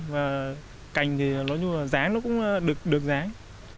và cành thì nói chung là ráng nó cũng được ráng